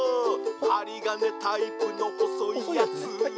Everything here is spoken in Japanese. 「はりがねタイプのほそいやつ」